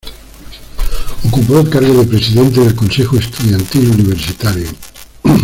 Ocupó el cargo de presidente del Consejo Estudiantil Universitario.